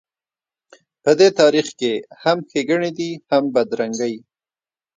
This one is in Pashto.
په دې تاریخ کې هم ښېګڼې دي هم بدرنګۍ.